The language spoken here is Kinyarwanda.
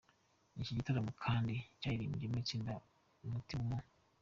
Iki gitaramo kandi cyaririmbyemo itsinda 'Umuti mu